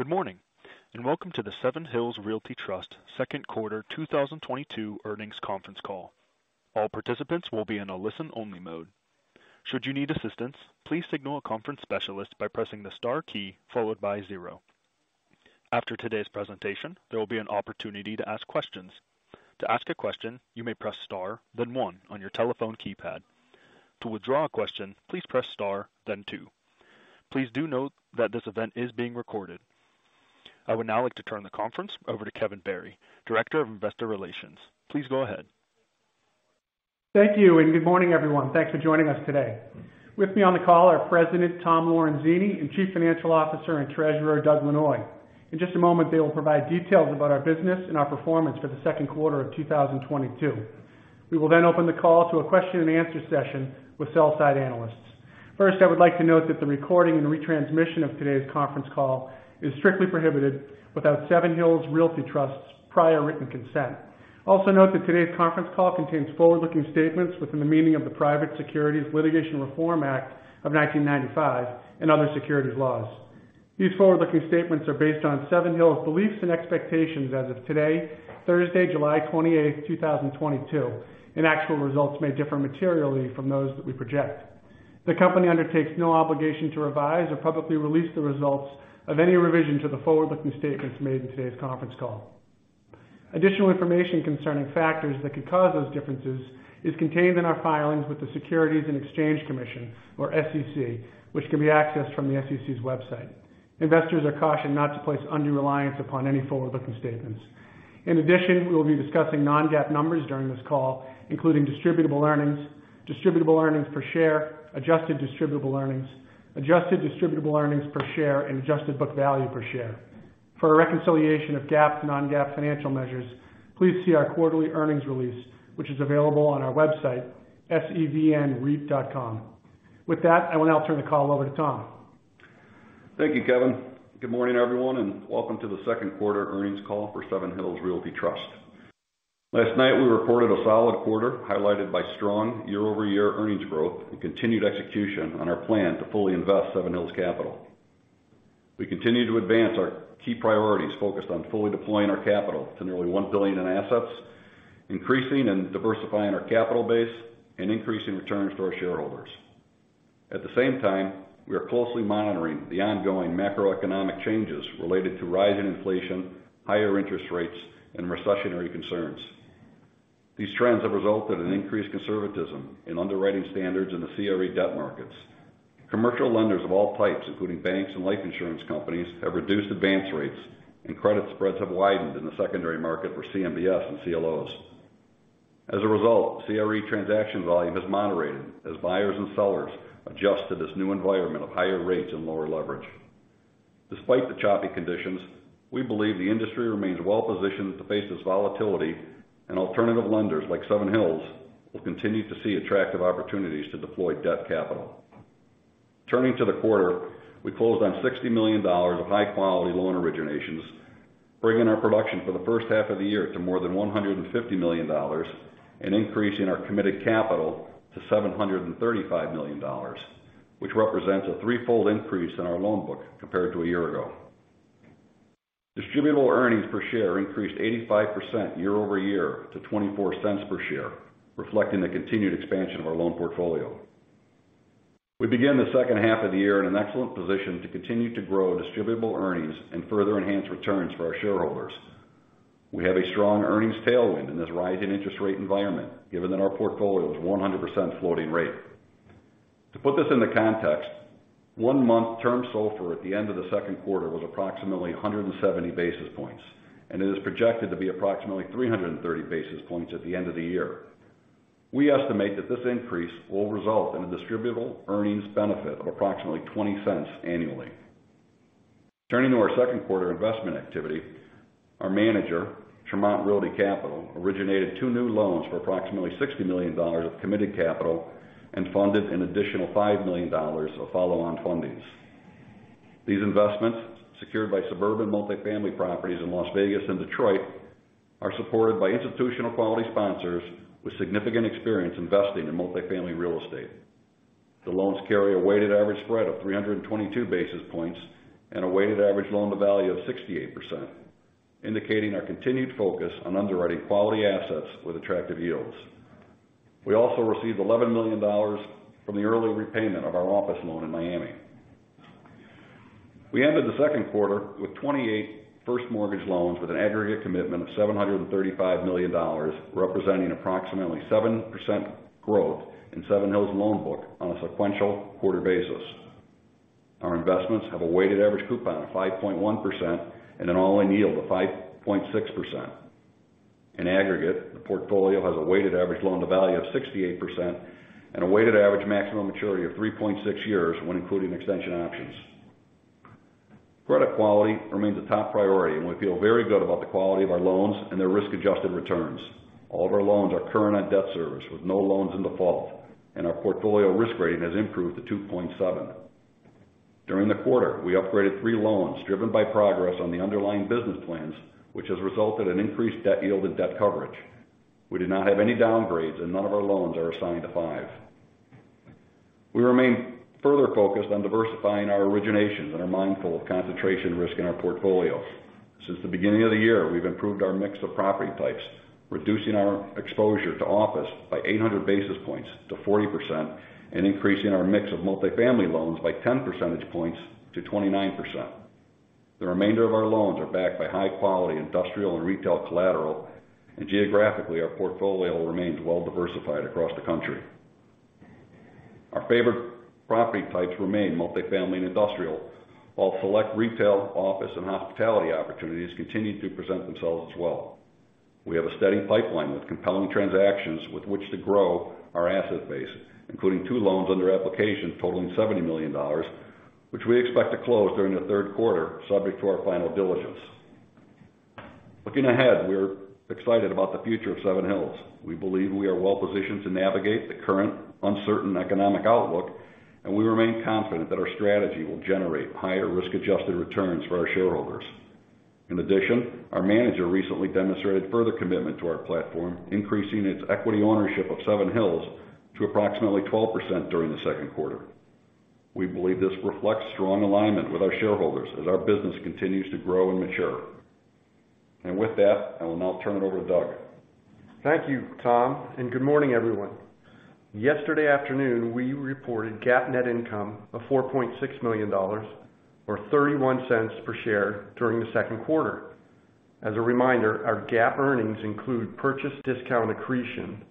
Good morning, and welcome to the Seven Hills Realty Trust second quarter 2022 earnings conference call. All participants will be in a listen-only mode. Should you need assistance, please signal a conference specialist by pressing the star key followed by zero. After today's presentation, there will be an opportunity to ask questions. To ask a question, you may press star, then one on your telephone keypad. To withdraw a question, please press star then two. Please do note that this event is being recorded. I would now like to turn the conference over to Kevin Barry, Director of Investor Relations. Please go ahead. Thank you, and good morning, everyone. Thanks for joining us today. With me on the call are President Tom Lorenzini and Chief Financial Officer and Treasurer Doug Lanois. In just a moment, they will provide details about our business and our performance for the second quarter of 2022. We will then open the call to a question-and-answer session with sell-side analysts. First, I would like to note that the recording and retransmission of today's conference call is strictly prohibited without Seven Hills Realty Trust's prior written consent. Also note that today's conference call contains forward-looking statements within the meaning of the Private Securities Litigation Reform Act of 1995 and other securities laws. These forward-looking statements are based on Seven Hills' beliefs and expectations as of today, Thursday, July 28, 2022, and actual results may differ materially from those that we project. The company undertakes no obligation to revise or publicly release the results of any revision to the forward-looking statements made in today's conference call. Additional information concerning factors that could cause those differences is contained in our filings with the Securities and Exchange Commission, or SEC, which can be accessed from the SEC's website. Investors are cautioned not to place undue reliance upon any forward-looking statements. In addition, we will be discussing non-GAAP numbers during this call, including distributable earnings, distributable earnings per share, adjusted distributable earnings, adjusted distributable earnings per share, and adjusted book value per share. For a reconciliation of GAAP to non-GAAP financial measures, please see our quarterly earnings release, which is available on our website, sevnreit.com. With that, I will now turn the call over to Tom. Thank you, Kevin. Good morning, everyone, and welcome to the second quarter earnings call for Seven Hills Realty Trust. Last night, we reported a solid quarter, highlighted by strong year-over-year earnings growth and continued execution on our plan to fully invest Seven Hills capital. We continue to advance our key priorities focused on fully deploying our capital to nearly $1 billion in assets, increasing and diversifying our capital base and increasing returns to our shareholders. At the same time, we are closely monitoring the ongoing macroeconomic changes related to rising inflation, higher interest rates, and recessionary concerns. These trends have resulted in increased conservatism in underwriting standards in the CRE debt markets. Commercial lenders of all types, including banks and life insurance companies, have reduced advance rates, and credit spreads have widened in the secondary market for CMBS and CLOs. As a result, CRE transaction volume has moderated as buyers and sellers adjust to this new environment of higher rates and lower leverage. Despite the choppy conditions, we believe the industry remains well-positioned to face this volatility, and alternative lenders like Seven Hills will continue to see attractive opportunities to deploy debt capital. Turning to the quarter, we closed on $60 million of high-quality loan originations, bringing our production for the first half of the year to more than $150 million and increasing our committed capital to $735 million, which represents a threefold increase in our loan book compared to a year ago. Distributable earnings per share increased 85% year-over-year to $0.24 per share, reflecting the continued expansion of our loan portfolio. We begin the second half of the year in an excellent position to continue to grow distributable earnings and further enhance returns for our shareholders. We have a strong earnings tailwind in this rising interest rate environment, given that our portfolio is 100% floating rate. To put this into context, one-month term SOFR at the end of the second quarter was approximately 170 basis points, and it is projected to be approximately 330 basis points at the end of the year. We estimate that this increase will result in a distributable earnings benefit of approximately $0.20 annually. Turning to our second quarter investment activity, our manager, Tremont Realty Capital, originated two new loans for approximately $60 million of committed capital and funded an additional $5 million of follow-on fundings. These investments, secured by suburban multifamily properties in Las Vegas and Detroit, are supported by institutional quality sponsors with significant experience investing in multifamily real estate. The loans carry a weighted average spread of 322 basis points and a weighted average loan-to-value of 68%, indicating our continued focus on underwriting quality assets with attractive yields. We also received $11 million from the early repayment of our office loan in Miami. We ended the second quarter with 28 first mortgage loans with an aggregate commitment of $735 million, representing approximately 7% growth in Seven Hills' loan book on a sequential quarter basis. Our investments have a weighted average coupon of 5.1% and an all-in yield of 5.6%. In aggregate, the portfolio has a weighted average loan-to-value of 68% and a weighted average maximum maturity of 3.6 years when including extension options. Credit quality remains a top priority, and we feel very good about the quality of our loans and their risk-adjusted returns. All of our loans are current on debt service with no loans in default, and our portfolio risk rating has improved to 2.7. During the quarter, we upgraded three loans driven by progress on the underlying business plans, which has resulted in increased debt yield and debt coverage. We did not have any downgrades and none of our loans are assigned a five. We remain further focused on diversifying our originations and are mindful of concentration risk in our portfolio. Since the beginning of the year, we've improved our mix of property types, reducing our exposure to office by 800 basis points to 40% and increasing our mix of multifamily loans by 10 percentage points to 29%. The remainder of our loans are backed by high-quality industrial and retail collateral, and geographically, our portfolio remains well diversified across the country. Our favored property types remain multifamily and industrial, while select retail, office, and hospitality opportunities continue to present themselves as well. We have a steady pipeline with compelling transactions with which to grow our asset base, including two loans under application totaling $70 million, which we expect to close during the third quarter, subject to our final diligence. Looking ahead, we are excited about the future of Seven Hills. We believe we are well positioned to navigate the current uncertain economic outlook, and we remain confident that our strategy will generate higher risk-adjusted returns for our shareholders. In addition, our manager recently demonstrated further commitment to our platform, increasing its equity ownership of Seven Hills to approximately 12% during the second quarter. We believe this reflects strong alignment with our shareholders as our business continues to grow and mature. With that, I will now turn it over to Doug. Thank you, Tom, and good morning, everyone. Yesterday afternoon, we reported GAAP net income of $4.6 million or $0.31 per share during the second quarter. As a reminder, our GAAP earnings include purchase discount accretion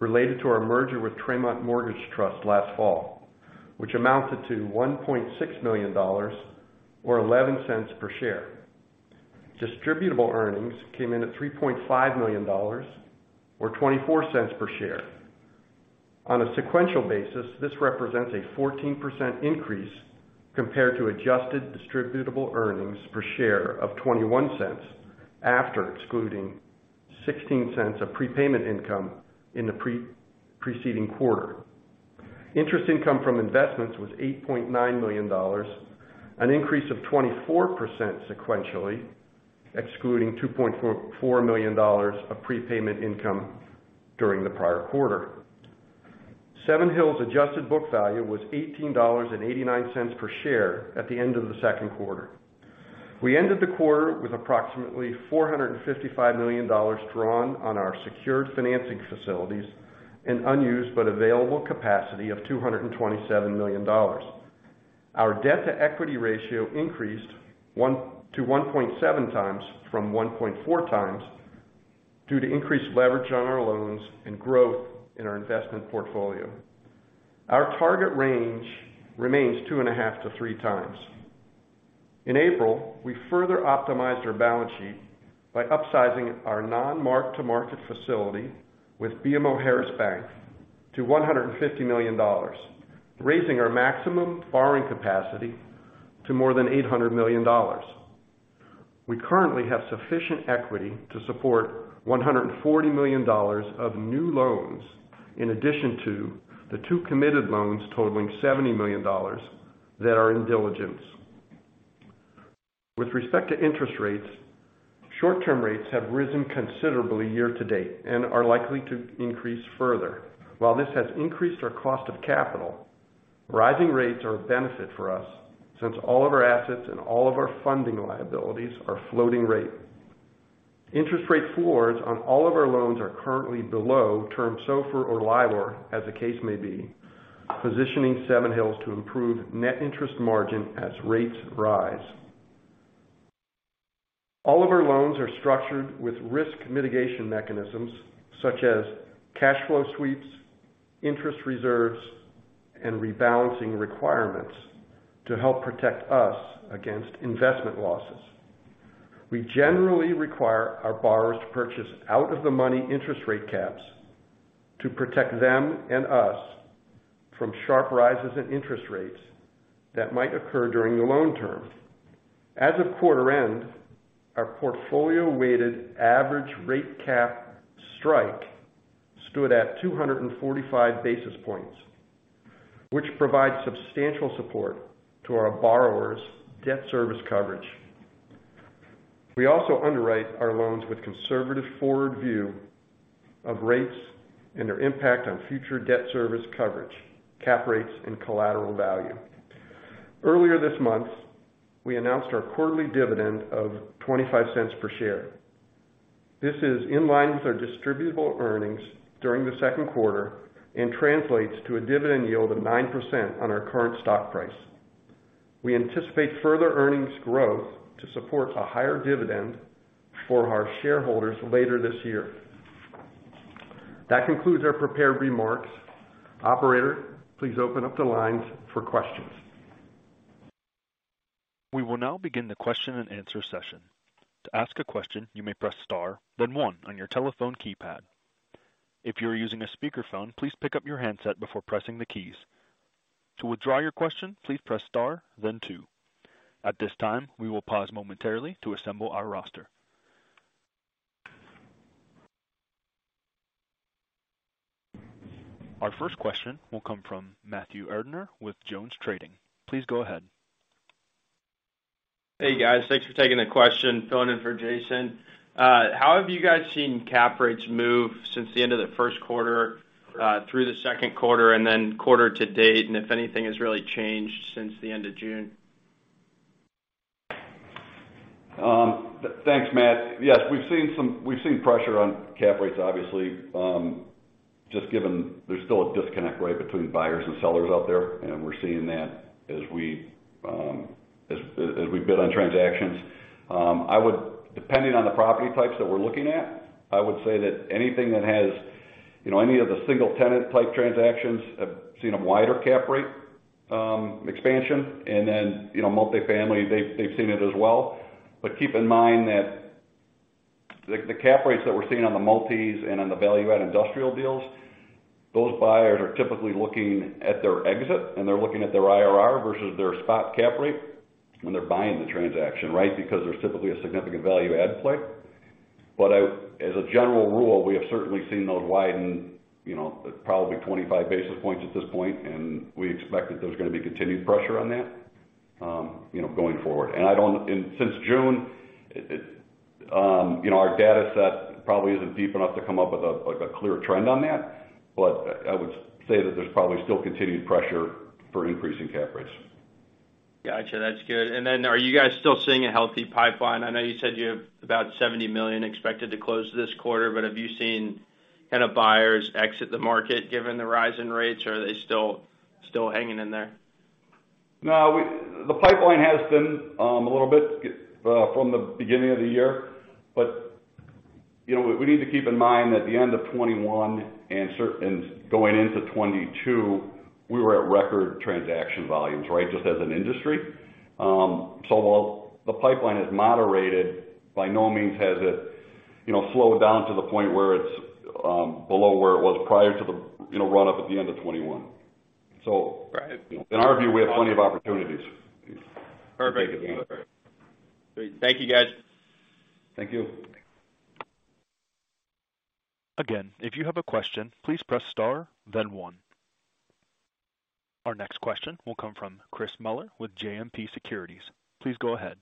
related to our merger with Tremont Mortgage Trust last fall, which amounted to $1.6 million or $0.11 per share. Distributable earnings came in at $3.5 million or $0.24 per share. On a sequential basis, this represents a 14% increase compared to adjusted distributable earnings per share of $0.21 after excluding $0.16 of prepayment income in the preceding quarter. Interest income from investments was $8.9 million, an increase of 24% sequentially, excluding $2.44 million of prepayment income during the prior quarter. Seven Hills adjusted book value was $18.89 per share at the end of the second quarter. We ended the quarter with approximately $455 million drawn on our secured financing facilities and unused but available capacity of $227 million. Our debt-to-equity ratio increased to 1.7x from 1.4x due to increased leverage on our loans and growth in our investment portfolio. Our target range remains 2.5x-3x. In April, we further optimized our balance sheet by upsizing our non-mark-to-market facility with BMO to $150 million, raising our maximum borrowing capacity to more than $800 million. We currently have sufficient equity to support $140 million of new loans in addition to the two committed loans totaling $70 million that are in diligence. With respect to interest rates, short-term rates have risen considerably year-to-date and are likely to increase further. While this has increased our cost of capital, rising rates are a benefit for us since all of our assets and all of our funding liabilities are floating rate. Interest rate floors on all of our loans are currently below term SOFR or LIBOR, as the case may be, positioning Seven Hills to improve net interest margin as rates rise. All of our loans are structured with risk mitigation mechanisms such as cash flow sweeps, interest reserves, and rebalancing requirements to help protect us against investment losses. We generally require our borrowers to purchase out-of-the-money interest rate caps to protect them and us from sharp rises in interest rates that might occur during the loan term. As of quarter end, our portfolio weighted average rate cap strike stood at 245 basis points, which provides substantial support to our borrowers' debt service coverage. We also underwrite our loans with conservative forward view of rates and their impact on future debt service coverage, cap rates and collateral value. Earlier this month, we announced our quarterly dividend of $0.25 per share. This is in line with our distributable earnings during the second quarter and translates to a dividend yield of 9% on our current stock price. We anticipate further earnings growth to support a higher dividend for our shareholders later this year. That concludes our prepared remarks. Operator, please open up the lines for questions. We will now begin the question-and-answer session. To ask a question, you may press star, then one on your telephone keypad. If you're using a speakerphone, please pick up your handset before pressing the keys. To withdraw your question, please press star, then two. At this time, we will pause momentarily to assemble our roster. Our first question will come from Matthew Erdner with JonesTrading. Please go ahead. Hey, guys. Thanks for taking the question. Filling in for Jason. How have you guys seen cap rates move since the end of the first quarter, through the second quarter and then quarter to date, and if anything has really changed since the end of June? Thanks, Matthew. Yes, we've seen pressure on cap rates, obviously, just given there's still a disconnect, right, between buyers and sellers out there, and we're seeing that as we bid on transactions. Depending on the property types that we're looking at, I would say that anything that has, you know, any of the single tenant type transactions have seen a wider cap rate expansion. You know, multifamily, they've seen it as well. But keep in mind that the cap rates that we're seeing on the multis and on the value add industrial deals, those buyers are typically looking at their exit and they're looking at their IRR versus their spot cap rate when they're buying the transaction, right? Because there's typically a significant value add play. As a general rule, we have certainly seen those widen, you know, probably 25 basis points at this point, and we expect that there's gonna be continued pressure on that, you know, going forward. Since June, it, you know, our dataset probably isn't deep enough to come up with a, like, a clear trend on that, but I would say that there's probably still continued pressure for increasing cap rates. Gotcha. That's good. Are you guys still seeing a healthy pipeline? I know you said you have about $70 million expected to close this quarter, but have you seen kind of buyers exit the market given the rise in rates, or are they still hanging in there? No. The pipeline has thinned a little bit from the beginning of the year. You know, we need to keep in mind that the end of 2021 and going into 2022, we were at record transaction volumes, right? Just as an industry. While the pipeline has moderated, by no means has it, you know, slowed down to the point where it's below where it was prior to the, you know, run-up at the end of 2021. Right. In our view, we have plenty of opportunities. Perfect. To take advantage. Great. Thank you, guys. Thank you. Again, if you have a question, please press star then one. Our next question will come from Chris Muller with JMP Securities. Please go ahead.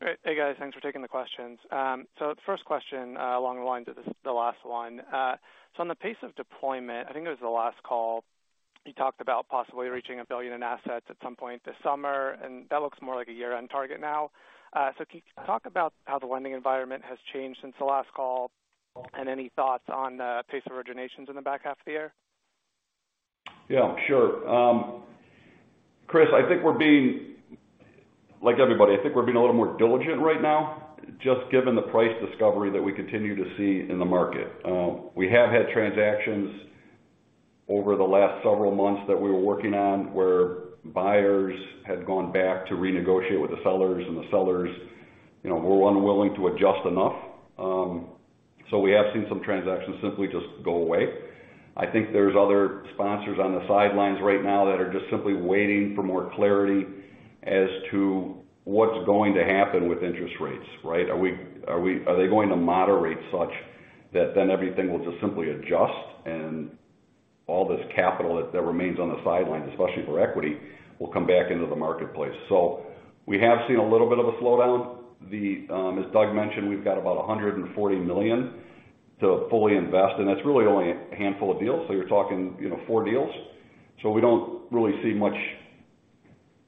Hey, guys. Thanks for taking the questions. First question, along the lines of the last one. On the pace of deployment, I think it was the last call, you talked about possibly reaching $1 billion in assets at some point this summer, and that looks more like a year-end target now. Can you talk about how the lending environment has changed since the last call and any thoughts on pace of originations in the back half of the year? Yeah, sure. Chris, like everybody, I think we're being a little more diligent right now, just given the price discovery that we continue to see in the market. We have had transactions over the last several months that we were working on where buyers had gone back to renegotiate with the sellers, and the sellers, you know, were unwilling to adjust enough. We have seen some transactions simply just go away. I think there's other sponsors on the sidelines right now that are just simply waiting for more clarity as to what's going to happen with interest rates, right? Are they going to moderate such that then everything will just simply adjust and all this capital that remains on the sidelines, especially for equity, will come back into the marketplace. We have seen a little bit of a slowdown. As Doug mentioned, we've got about $140 million to fully invest, and that's really only a handful of deals. You're talking, you know, four deals. We don't really see much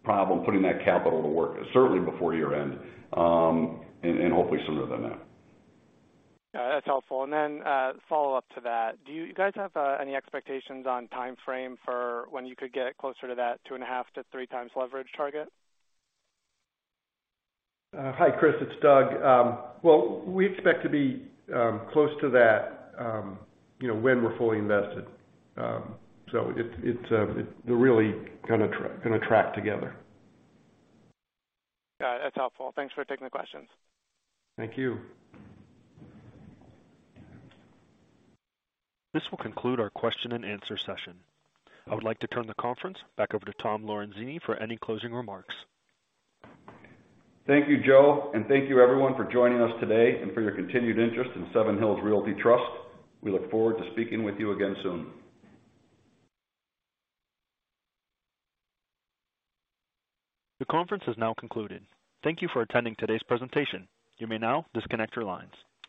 problem putting that capital to work certainly before year-end, and hopefully sooner than that. Yeah, that's helpful. Follow-up to that, do you guys have any expectations on timeframe for when you could get closer to that 2.5x-3x leverage target? Hi, Chris. It's Doug. Well, we expect to be close to that, you know, when we're fully invested. It's. They're really gonna track together. Got it. That's helpful. Thanks for taking the questions. Thank you. This will conclude our question and answer session. I would like to turn the conference back over to Tom Lorenzini for any closing remarks. Thank you, Joe. Thank you everyone for joining us today and for your continued interest in Seven Hills Realty Trust. We look forward to speaking with you again soon. The conference has now concluded. Thank you for attending today's presentation. You may now disconnect your lines.